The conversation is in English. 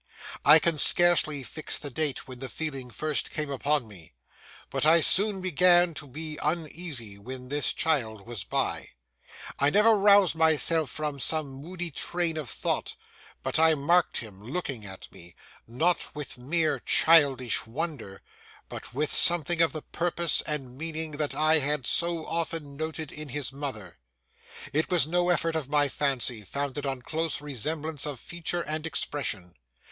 I can scarcely fix the date when the feeling first came upon me; but I soon began to be uneasy when this child was by. I never roused myself from some moody train of thought but I marked him looking at me; not with mere childish wonder, but with something of the purpose and meaning that I had so often noted in his mother. It was no effort of my fancy, founded on close resemblance of feature and expression.